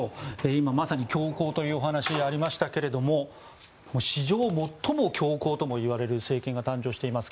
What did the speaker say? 今まさに強硬というお話がありましたけど史上最も強硬ともいわれる政権が誕生しています。